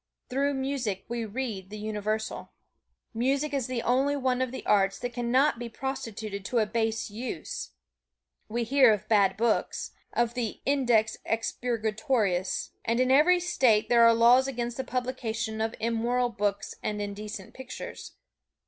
Through music we read the Universal. Music is the only one of the arts that can not be prostituted to a base use. We hear of bad books, of the "Index Expurgatorius," and in every State there are laws against the publication of immoral books and indecent pictures.